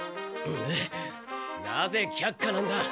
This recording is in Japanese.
えっなぜ却下なんだ？